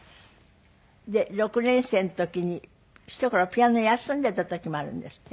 で６年生の時にひと頃ピアノを休んでいた時もあるんですって？